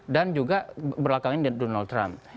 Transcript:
dan juga berlakangnya dengan donald trump